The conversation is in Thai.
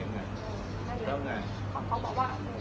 เขาบอกว่าเขาโดนก็อ่นไป